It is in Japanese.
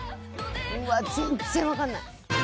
うわっ全然わかんない。